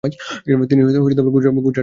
তিনি গুজরাট আক্রমণ করেন।